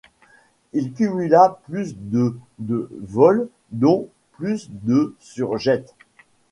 Il cumula plus de de vol dont plus de sur jets.